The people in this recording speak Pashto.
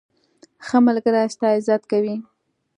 ښه ملګری ستا عزت کوي.